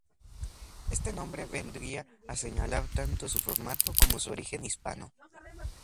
Este nombre vendría a señalar tanto su formato como su origen hispano.